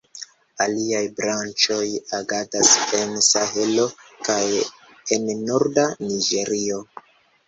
Aliaj branĉoj agadas en Sahelo kaj en norda Niĝerio.